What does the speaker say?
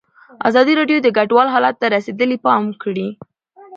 ازادي راډیو د کډوال حالت ته رسېدلي پام کړی.